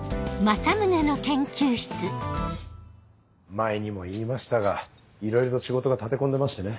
前にも言いましたがいろいろ仕事が立て込んでましてね。